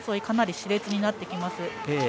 かなりしれつになってきます。